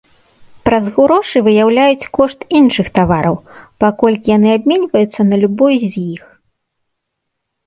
Праз грошы выяўляюць кошт іншых тавараў, паколькі яны абменьваюцца на любой з іх.